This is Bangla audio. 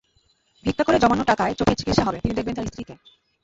ভিক্ষা করে জমানো টাকায় চোখের চিকিৎসা হবে, তিনি দেখবেন তাঁর স্ত্রীকে।